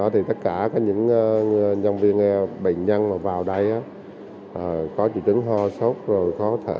tất cả những nhân viên bệnh nhân vào đây có dịch trứng ho sốt khó thở